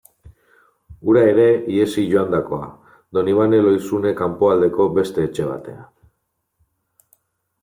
Hura ere ihesi joandakoa, Donibane Lohizune kanpoaldeko beste etxe batean...